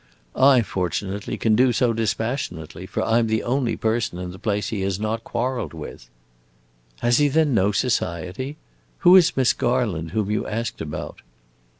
I, fortunately, can do so dispassionately, for I 'm the only person in the place he has not quarreled with." "Has he then no society? Who is Miss Garland, whom you asked about?"